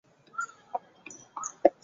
沃拉尔在场上的位置是后卫。